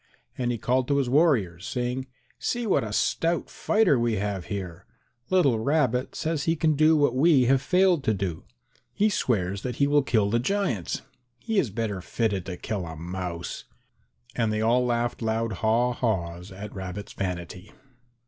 And he called to his warriors saying, "See what a stout fighter we have here! Little Rabbit says he can do what we have failed to do; he swears that he will kill the giants; he is better fitted to kill a mouse!" And they all laughed loud haw haws at Rabbit's vanity.